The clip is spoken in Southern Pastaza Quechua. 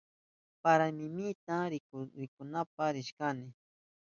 Panamihinita rikunapa rishkani.